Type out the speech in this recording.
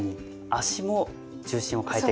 足も重心を変えていく。